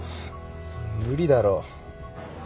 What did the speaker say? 無理だろ